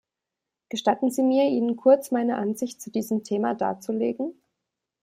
Gestatten Sie mir, Ihnen kurz meine Ansicht zu diesem Thema darzulegen.